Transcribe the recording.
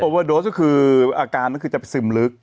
โอเวอร์โดสต์ก็คืออาการมันคือจะซึมลึก